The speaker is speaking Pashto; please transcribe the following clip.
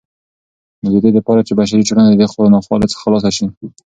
نو ددې دپاره چې بشري ټولنه ددې ناخوالو څخه خلاصه سي